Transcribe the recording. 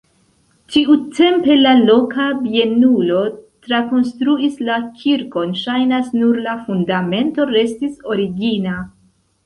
Tiutempe la loka bienulo trakonstruis la kirkon, ŝajnas, nur la fundamento restis origina.